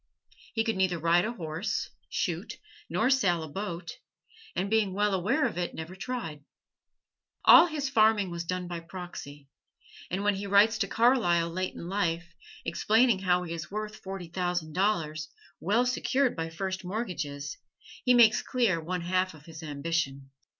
He could neither ride a horse, shoot, nor sail a boat and being well aware of it, never tried. All his farming was done by proxy; and when he writes to Carlyle late in life, explaining how he is worth forty thousand dollars, well secured by first mortgages, he makes clear one half of his ambition.